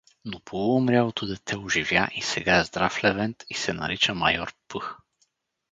Но полуумрялото дете оживя и сега е здрав левент и се нарича майор П.